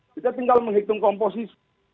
kita tinggal menghitung komposisi